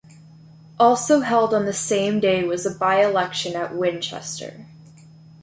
Also held on the same day was a by-election at Winchester.